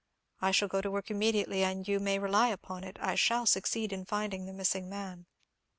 I shall go to work immediately; and you may rely upon it, I shall succeed in finding the missing man."